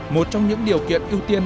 một trong những điều kiện ưu tiên